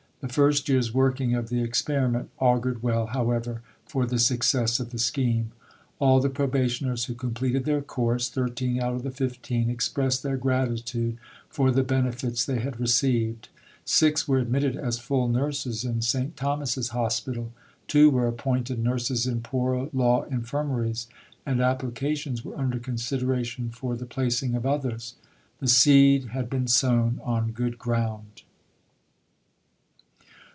The first year's working of the experiment augured well, however, for the success of the scheme. All the probationers who completed their course (13 out of the 15) expressed their gratitude for the benefits they had received. Six were admitted as full nurses in St. Thomas's Hospital. Two were appointed nurses in Poor Law Infirmaries, and applications were under consideration for the placing of others. The seed had been sown on good ground.